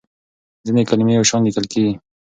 ځینې کلمې یو شان لیکل کېږي.